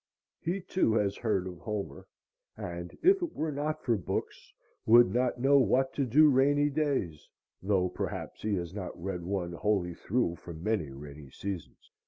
He, too, has heard of Homer, and, "if it were not for books," would "not know what to do rainy days," though perhaps he has not read one wholly through for many rainy seasons.